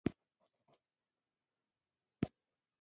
د تبې او درد ګولۍ باید درملتون څخه وپېری